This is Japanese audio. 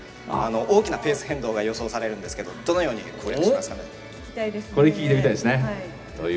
大きなペース変動が予想されるんですけどどのように攻略されますか？